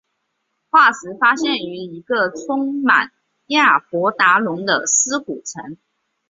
化石发现于一个充满亚伯达龙的尸骨层。